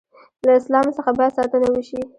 له اسلام څخه باید ساتنه وشي.